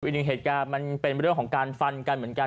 อีกหนึ่งเหตุการณ์มันเป็นเรื่องของการฟันกันเหมือนกัน